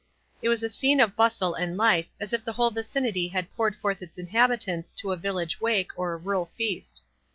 It was a scene of bustle and life, as if the whole vicinity had poured forth its inhabitants to a village wake, or rural feast.